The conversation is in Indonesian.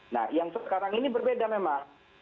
nah yang sekarang ini berbeda memang